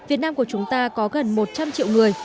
việt nam của chúng ta có gần một trăm linh triệu người